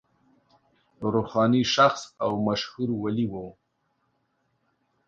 روحاني شخص او مشهور ولي و.